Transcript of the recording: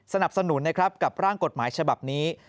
สนับสนุนกับร่างกฎหมายฉบับนี้